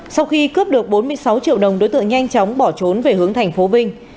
sau khi cướp được bốn mươi sáu triệu đồng đối tượng nhanh chóng bỏ trốn về hướng thành phố vinh